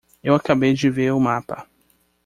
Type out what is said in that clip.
Eu acabei de ver o mapa.